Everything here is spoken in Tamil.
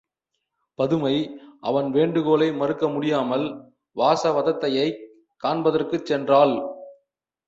பதுமை அவன் வேண்டுகோளை மறுக்க முடியாமல், வாசவதத்தையைக் காண்பதற்குச் சென்றாள்.